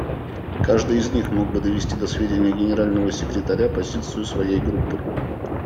Каждый из них мог бы довести до сведения Генерального секретаря позицию своей группы.